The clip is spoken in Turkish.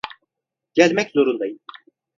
Gelmek zorundaydım.